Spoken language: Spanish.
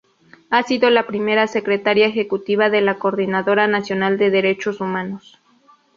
Ha sido la primera Secretaria Ejecutiva de la Coordinadora Nacional de Derechos Humanos.